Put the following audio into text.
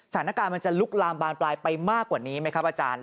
สถานการณ์มันจะลุกลามบานปลายไปมากกว่านี้ไหมครับอาจารย์